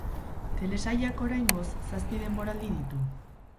Telesailak oraingoz zazpi denboraldi ditu.